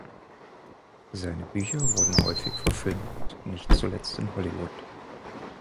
Seine Bücher wurden häufig verfilmt, nicht zuletzt in Hollywood.